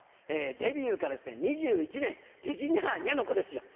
デビューから２１年「てじなーにゃ」の子ですよ。